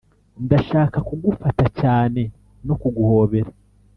ndashaka kugufata cyane no kuguhobera